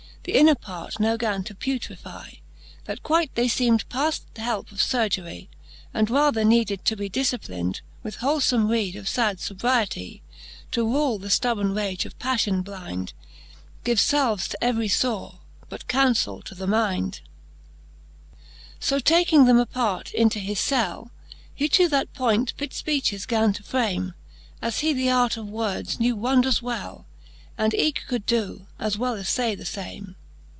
The inner parts now gan to putrify. That quite they feem'd pad helpe of furgery, And rather needed to be difciplinde With holefome reede of fad fobriety. To rule the flubborne rage of paffion blinde : Give falves to every fore, but counfell to the minde. VI. So Canto VI. the Faerie ^eene, . 287 VI. So taking them apart into his cell, He to that point fit fpeaches gan to frame, As he the art of words knew wondrous well, And eke could doe, as well as fay the fame.